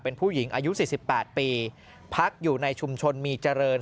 เป็นผู้หญิงอายุ๔๘ปีพักอยู่ในชุมชนมีเจริญ